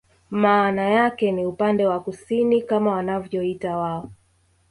Maana yake ni upande wa kusini kama wanavyoita wao